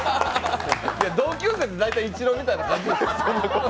同級生って大体イチローみたいな感じですよ。